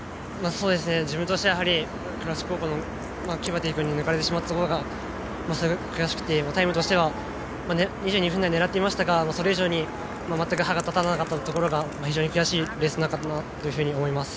自分としては倉敷高校の選手に抜かれてしまったところが悔しくて２２分台を狙っていましたがそれ以上に全く歯が立たなかったというのが非常に悔しいレースになったかなと思います。